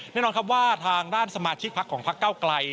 แน่นอนครับว่าทางด้านสมาชิกพักของพักเก้าไกล